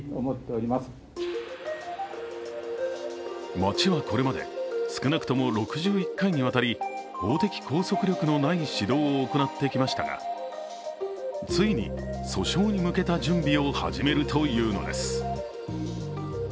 町はこれまで、少なくとも６１回にわたり法的拘束力のない指導を行ってきましたがついに、訴訟に向けた準備を始めるというのです。